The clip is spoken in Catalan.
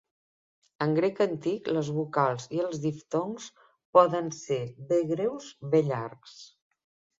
En grec antic les vocals i els diftongs poden ser bé breus bé llargs.